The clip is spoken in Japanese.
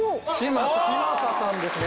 嶋佐さんですね。